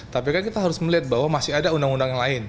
tapi kan kita harus melihat bahwa masih ada undang undang yang lain